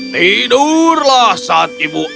tidurlah saat ibu amat